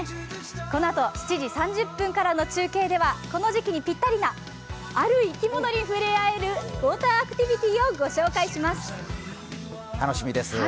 このあと、７時３０分からの中継ではこの時期にぴったりな、ある生き物に触れ合えるウォーターアクティビティーを御紹介します。